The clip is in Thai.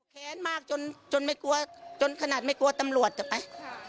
แค้นมากจนไม่กลัวจนขนาดไม่กลัวตำรวจจะไป